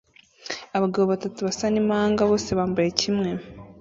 Abagabo batatu basa nimpanga bose bambaye kimwe